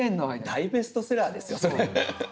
大ベストセラーですよ。